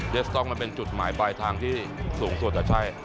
สต๊อกมันเป็นจุดหมายปลายทางที่สูงสุดอ่ะใช่